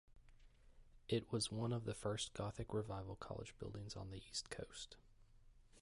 It was one of the first Gothic Revival college buildings on the East Coast.